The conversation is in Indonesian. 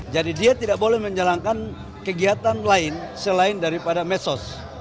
jadi dia tidak boleh menjalankan kegiatan lain selain daripada mesos